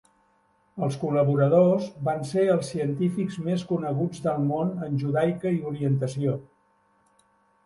Els col·laboradors van ser els científics més coneguts del món en judaica i orientació.